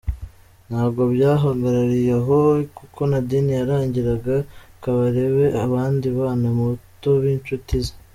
Ntabwo byahagarariye aho kuko Nadine yarangiraga Kabarebe abandi bana bato b’inshuti ze.